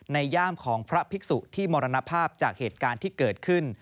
ย่ามของพระภิกษุที่มรณภาพจากเหตุการณ์ที่เกิดขึ้น